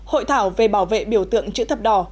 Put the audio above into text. hội thảo về bảo vệ biểu tượng chữ thập đỏ